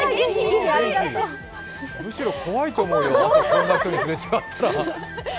むしろ怖いと思うよ、朝こんな人にすれ違ったら。